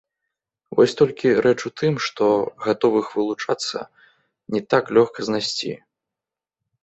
Вось толькі рэч у тым, што гатовых вылучацца не так лёгка знайсці.